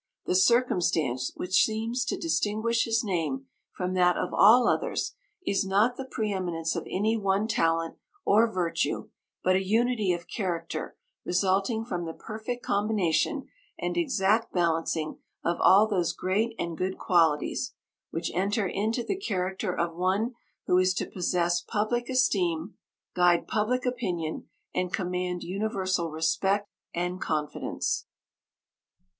The circumstance which seems to distinguish his name from that of all others, is not the pre eminence of any one talent or virtue, but a unity of character resulting from the perfect combination and exact balancing of all those great and good qualities, which enter into the character of one who is to possess public esteem, guide public opinion, and command universal respect and confidence."